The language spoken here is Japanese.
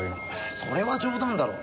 それは冗談だろう？